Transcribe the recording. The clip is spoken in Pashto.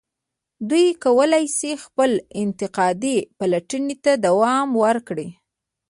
دوی کولای شي خپلې انتقادي پلټنې ته دوام ورکړي.